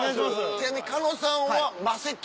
ちなみに狩野さんはマセキ？